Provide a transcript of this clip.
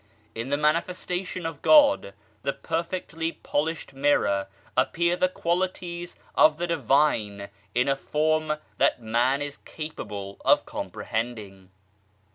In the Mani festation of God, the perfectly polished mirror, appear the qualities of the Divine in a form that man is capable of comprehending.